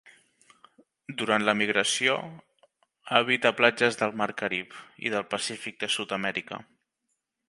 Durant la migració habita platges del Mar Carib, i del Pacífic de Sud-amèrica.